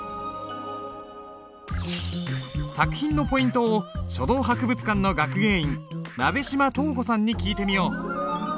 作品のポイントを書道博物館の学芸員鍋島稲子さんに聞いてみよう。